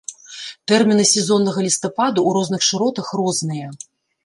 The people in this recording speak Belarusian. Тэрміны сезоннага лістападу ў розных шыротах розныя.